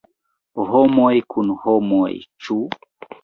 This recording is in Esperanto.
“Homoj kun homoj”, ĉu?